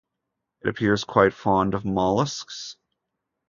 It appears quite fond of mollusks.